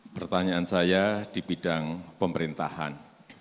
pertanyaan saya di bidang pemerintahan